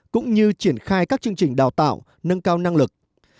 cũng như triển khai các chương trình đào tạo nâng cao năng lực